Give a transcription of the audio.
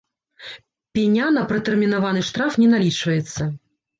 Пеня на пратэрмінаваны штраф не налічваецца.